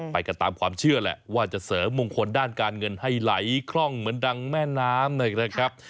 ไปกันตามความเชื่อแหละว่าจะเสริมมงคลด้านการเงินให้ไหลคล่องเหมือนดังแม่น้ำนะครับ